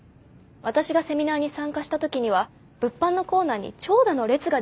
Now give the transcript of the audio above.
私がセミナーに参加した時には物販のコーナーに長蛇の列が出来ていました。